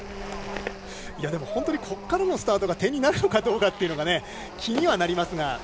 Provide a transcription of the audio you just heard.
でもここからのスタートが点になるのかどうか気にはなりますが。